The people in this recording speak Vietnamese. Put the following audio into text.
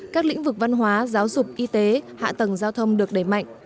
các lĩnh vực văn hóa giáo dục y tế hạ tầng giao thông được đẩy mạnh